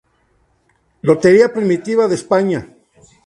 Lotería Primitiva de España